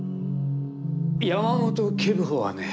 山本警部補はね